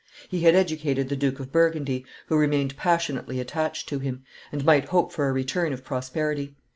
He had educated the Duke of Burgundy, who remained passionately attached to him, and might hope for a return of prosperity.